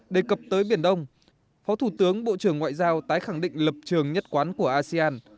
đề cập tới biển đông phó thủ tướng bộ trưởng ngoại giao tái khẳng định lập trường nhất quán của asean